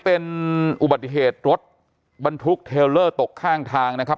เป็นอุบัติเหตุรถบรรทุกเทลเลอร์ตกข้างทางนะครับ